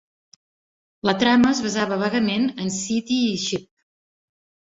La trama es basava vagament en "Seetee Ship".